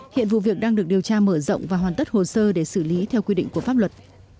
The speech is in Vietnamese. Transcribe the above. hiện vụ việc đang được điều tra mở rộng và hoàn tất hồ sơ để xử lý theo quy định của pháp luật